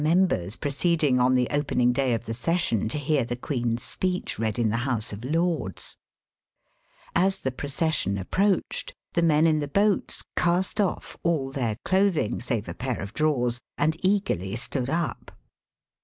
members proceeding on the opening day of the Session to hear the Queen's Speech read in the House Digitized by VjOOQIC THROUGH THE SUEZ CANAL, 357 of Lords. As the procession approached, the men in the boats cast off all their clothing save a pair of drawers and eagerly stood up.